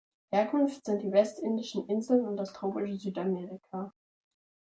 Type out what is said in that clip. Herkunft sind die Westindischen Inseln und das tropische Südamerika.